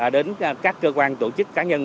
đến các cơ quan tổ chức cá nhân